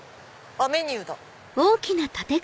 メニューだ。